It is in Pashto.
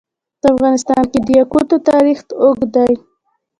په افغانستان کې د یاقوت تاریخ اوږد دی.